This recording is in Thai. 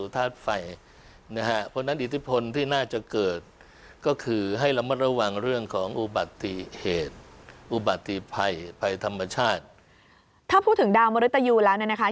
ถ้าพูดถึงดาวเมริตาอยู่แล้วนะคะ